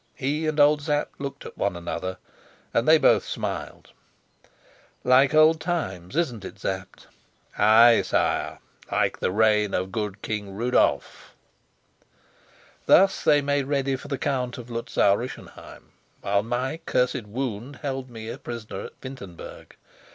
He and old Sapt looked at one another, and they both smiled. "Like old times, isn't it, Sapt?" "Aye, sire, like the reign of good King Rudolf." Thus they made ready for the Count of Luzau Rischenheim, while my cursed wound held me a prisoner at Wintenberg.